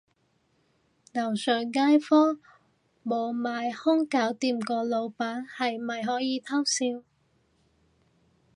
樓上街坊無買兇搞掂個老闆，係咪可以偷笑